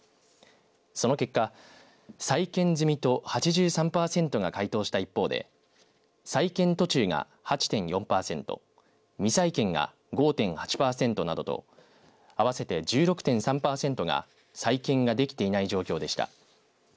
その結果、再建済みと８３パーセントが回答した一方で再建途中が８．４パーセント未再建が５．８パーセントなどと合わせて１６．３パーセントが再建ができていない状況でした。